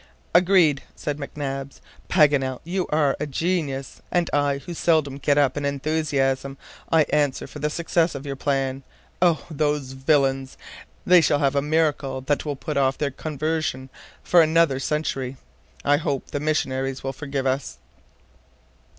"Agreed," said McNabbs; "Paganel, you are a genius! and I, who seldom get up an enthusiasm, I answer for the success of your plan. Oh! those villains! They shall have a little miracle that will put off their conversion for another century. I hope the missionaries will forgive us."